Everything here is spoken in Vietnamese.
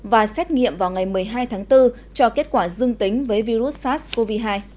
và xét nghiệm vào ngày một mươi hai tháng bốn cho kết quả dương tính với virus sars cov hai